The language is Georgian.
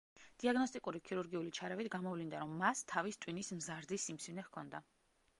დიაგნოსტიკური ქირურგიული ჩარევით გამოვლინდა, რომ მას თავის ტვინის მზარდი სიმსივნე ჰქონდა.